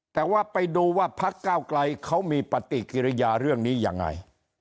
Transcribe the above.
แต่ว่าไปดูว่าพักเก้าไกลเขามีปฏิกิริยาเรื่องนี้ยังไง